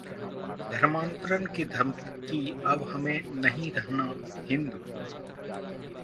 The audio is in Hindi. धर्मांतरण की धमकी: “...अब हमें नहीं रहना हिंदू”